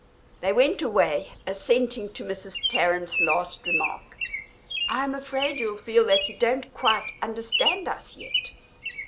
They went away, assenting to Mrs. Tarrant's last remark: "I am afraid you'll feel that you don't quite understand us yet."